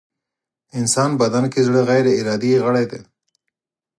انسان بدن کې زړه غيري ارادې غړی دی.